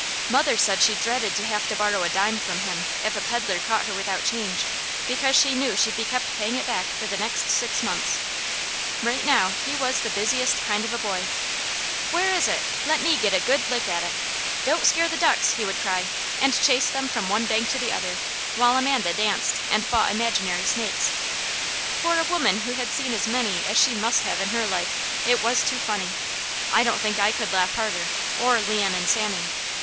Mother said she dreaded to have to borrow a dime from him, if a peddler caught her without change, because she knew she'd be kept paying it back for the next six months. Right now he was the busiest kind of a boy. "Where is it? Let me get a good lick at it! Don't scare the ducks!" he would cry, and chase them from one bank to the other, while Amanda danced and fought imaginary snakes. For a woman who had seen as many as she must have in her life, it was too funny. I don't think I could laugh harder, or Leon and Sammy.